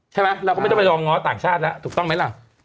เราก็ไม่ต้องไปลองง้อต่างชาติแล้วถูกต้องไหมล่ะ